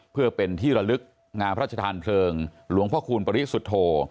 เพื่อเป็นที่ระลึกงามพระชธานเพลิงหลวงพ่อคูณปริสุทธโธ